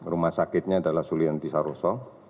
rumah sakitnya adalah sulianti saroso